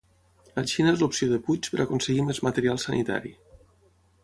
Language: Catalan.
La Xina és l'opció de Puig per aconseguir més material sanitari